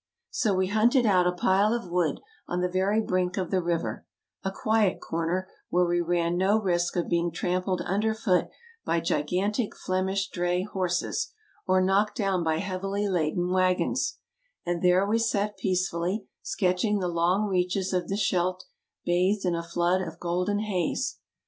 So we hunted out a pile of wood on the very brink of the river, a quiet corner where we ran no risk of being trampled underfoot by gigantic Flemish dray horses or knocked down by heavily laden wagons ; and there we sat peacefully, sketching the long reaches of the Scheldt bathed in a flood of golden haze.